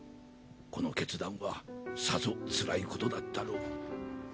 この決断はさぞつらいことだったろう。